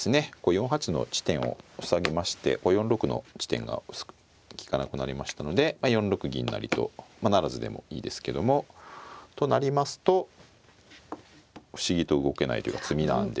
４八の地点を塞ぎまして４六の地点が利かなくなりましたので４六銀成と不成でもいいですけどもとなりますと不思議と動けないというか詰みなんですね。